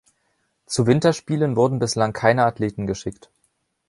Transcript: Zu Winterspielen wurden bislang keine Athleten geschickt.